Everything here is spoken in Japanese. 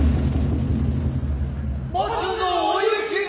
松のお雪が。